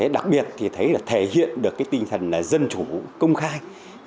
đặc biệt thì thấy thể hiện được tinh thần dân chủ công khai